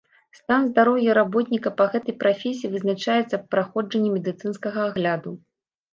Стан здароўя работніка па гэтай прафесіі вызначаецца праходжаннем медыцынскага агляду.